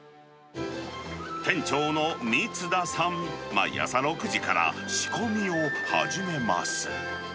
店長の三津田さん、毎朝６時から仕込みを始めます。